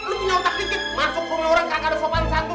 lo punya otak dikit masuk rumah orang gak ada sopan satu